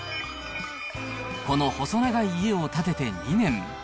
この細長い家を建てて２年。